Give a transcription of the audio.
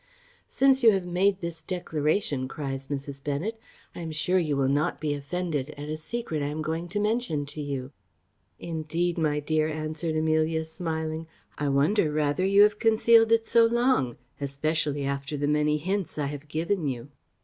"Since you have made this declaration," cries Mrs. Bennet, "I am sure you will not be offended at a secret I am going to mention to you." "Indeed, my dear," answered Amelia, smiling, "I wonder rather you have concealed it so long; especially after the many hints I have given you."